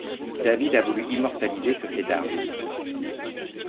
David a voulu immortaliser ce fait d’armes.